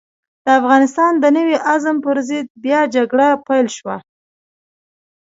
د افغانستان د نوي عزم پر ضد بيا جګړه پيل شوه.